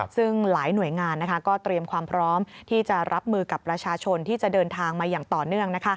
ซึ่งหลายหน่วยงานก็เตรียมความพร้อมที่จะรับมือกับประชาชนที่จะเดินทางมาอย่างต่อเนื่อง